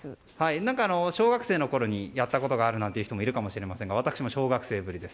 小学生のころにやったことあるって人もいるかもしれませんが私も小学生ぶりです。